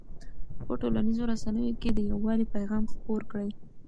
په ټولنیزو رسنیو کې د یووالي پیغام خپور کړئ.